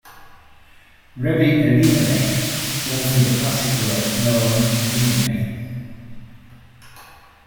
Rebbi Elimelech authored the classic work "Noam Elimelech".